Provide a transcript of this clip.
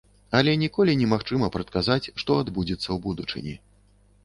Але ніколі не магчыма прадказаць, што адбудзецца ў будучыні.